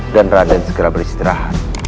dan raden segera beristirahat